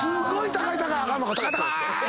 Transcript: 高い高ーい！